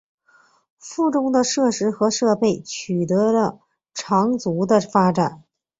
附中的设施和设备取得了长足的发展。